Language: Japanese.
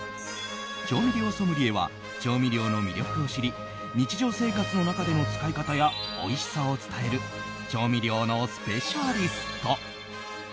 調味料ソムリエは調味料の魅力を知り日常生活の中での使い方やおいしさを伝える調味料のスペシャリスト。